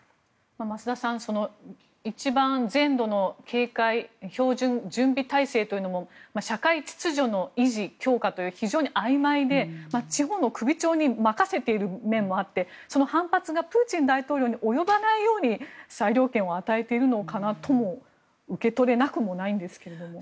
増田さん、一番全土の標準準備体制というのも社会秩序の維持強化という非常にあいまいで地方の首長に任せている面もあってその反発がプーチン大統領に及ばないように裁量権を与えているのかなとも受け取れなくもないんですが。